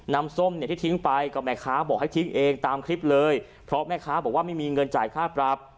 ส้มเนี่ยที่ทิ้งไปก็แม่ค้าบอกให้ทิ้งเองตามคลิปเลยเพราะแม่ค้าบอกว่าไม่มีเงินจ่ายค่าปรับ